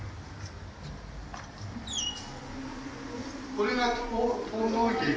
これが。